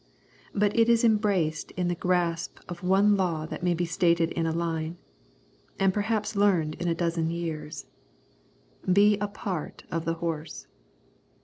But it is embraced in the grasp of one law that may be stated in a line, and perhaps learned in a dozen years, be a part of the horse.